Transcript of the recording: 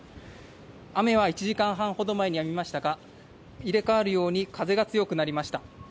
雨は１時間半ほど前にやみましたが、入れ代わるように風が強くなりました。